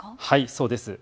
そうです。